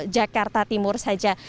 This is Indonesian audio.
jakarta timur saja